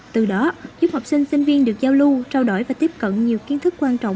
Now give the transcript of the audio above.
từ đó giúp học sinh sinh viên được giao lưu trao đổi và tiếp cận nhiều kiến thức quan trọng